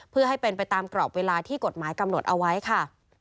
เพื่อให้เป็นไปตามกรอบเวลาที่กฎหมายกำหนดเอาไว้ค่ะ